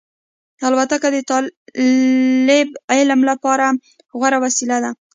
الوتکه د طالب علم لپاره غوره وسیله ده.